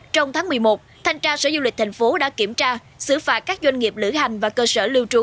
trong tháng một mươi một thanh tra sở du lịch thành phố đã kiểm tra xử phạt các doanh nghiệp lữ hành và cơ sở lưu trú